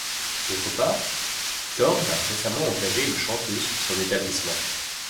D'autre part, Thorne a récemment engagé une chanteuse pour son établissement.